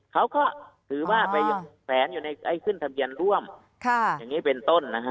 เขาก็ถือว่าแผนมาขึ้นร่วมอย่างนี้เป็นต้น